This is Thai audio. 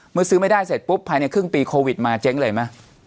ซื้อไม่ได้เสร็จปุ๊บภายในครึ่งปีโควิดมาเจ๊งเลยไหม